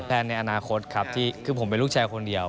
ในอนาคตครับที่คือผมเป็นลูกชายคนเดียว